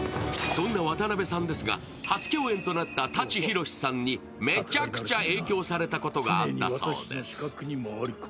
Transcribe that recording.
そんな渡邊さんですが、初共演となった舘ひろしさんにめちゃくちゃ影響されたことがあったそうです。